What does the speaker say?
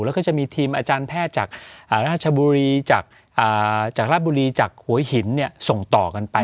แล้วก็จะมีทีมอาจารย์แพทย์จากราชบุรีจากราชบุรีจากหัวหินส่งต่อกันไป